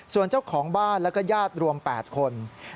ส่วนเจ้าของบ้านแล้วก็ญาติรวม๘คน